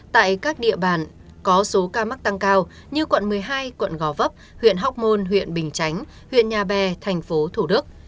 tại các địa bàn có số ca mắc tăng cao như quận một mươi hai quận gò vấp huyện hóc môn huyện bình chánh huyện nhà bè thành phố thủ đức